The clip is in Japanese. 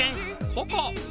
ここ。